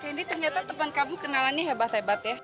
ini ternyata teman kamu kenalannya hebat hebat ya